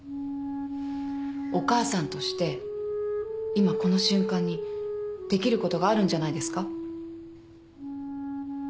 お母さんとして今この瞬間にできることがあるんじゃないですか。